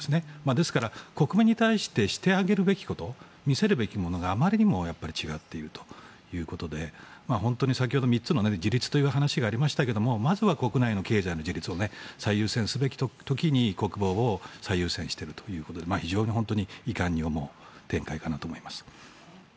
ですから国民に対してしてあげるべきこと見せるべきものが、あまりにも違っているということで本当に先ほど３つの自立という話がありましたがまずは国内の経済の自立を最優先すべき時に国防を最優先しているということで非常に遺憾に思う展開かなと思いました。